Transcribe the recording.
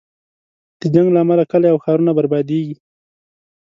د جنګ له امله کلی او ښارونه بربادېږي.